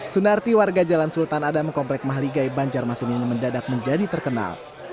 sunarti warga jalan sultan adam komplek mahligai banjarmasin ini mendadak menjadi terkenal